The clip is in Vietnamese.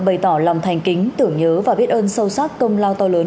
bày tỏ lòng thành kính tưởng nhớ và biết ơn sâu sắc công lao to lớn